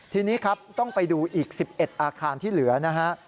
ทีนี้ครับต้องไปดูอีก๑๑อาคารที่เหลือนะฮะ